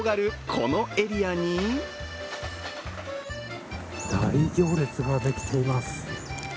このエリアに大行列ができています。